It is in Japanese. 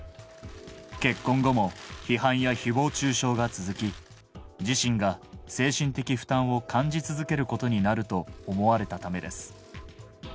結婚後も批判やひぼう中傷が続き、自身が精神的負担を感じ続けることになると思われたためです。